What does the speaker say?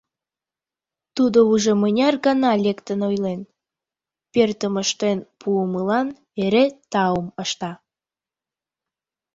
Тудо уже мыняр гана лектын ойлен, пӧртым ыштен пуымылан эре таум ышта.